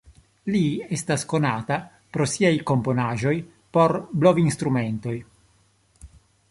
Li estas konata pro siaj komponaĵoj por blovinstrumentoj.